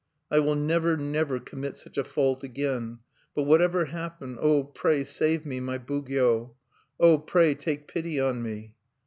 "I will never, never commit such a fault again. But whatever happen, oh, pray save me, my Bugyo(3)! Oh, pray take pity on me!"